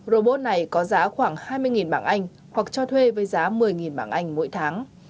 robot này có giá khoảng hai mươi bảng anh hoặc cho thuê với giá một mươi bảng anh mỗi tháng